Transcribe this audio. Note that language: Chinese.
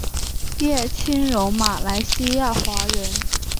叶清荣马来西亚华人。